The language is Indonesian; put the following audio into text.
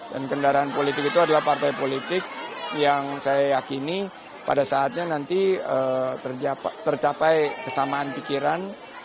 dan kendaraan politik itu adalah partai politik yang saya yakini pada saatnya nanti tercapai kesamaan pikiran